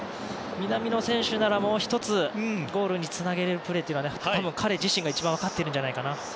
南野選手だったらゴールにつなげるプレーというのは彼自身が一番分かっているんじゃないかな。